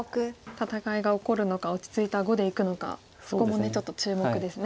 戦いが起こるのか落ち着いた碁でいくのかそこもちょっと注目ですね。